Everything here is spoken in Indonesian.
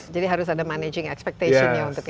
jadi harus ada managing expectation nya untuk itu